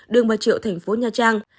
đường bà triệu thành phố nha trang